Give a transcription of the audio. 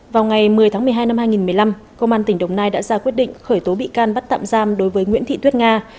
vào ngày một mươi tháng một mươi hai năm hai nghìn một mươi năm công an tỉnh đồng nai đã ra quyết định khởi tố bị can bắt tạm giam đối với nguyễn thị tuyết nga